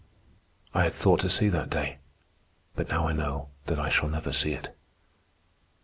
I had thought to see that day; but now I know that I shall never see it."